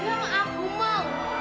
yang aku mau